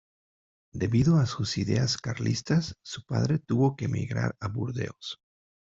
Debido a sus ideas carlistas, su padre tuvo que emigrar a Burdeos.